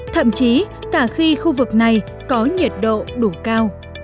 thậm chí cả khi khu vực này có nhiệt độ đủ cao